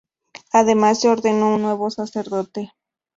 Además, se ordenó un nuevo sacerdote.